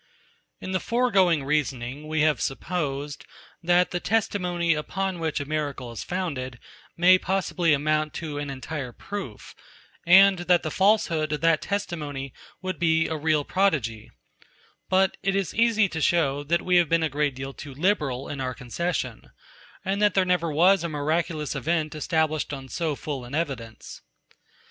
92. In the foregoing reasoning we have supposed, that the testimony, upon which a miracle is founded, may possibly amount to an entire proof, and that the falsehood of that testimony would be a real prodigy: But it is easy to shew, that we have been a great deal too liberal in our concession, and that there never was a miraculous event established on so full an evidence.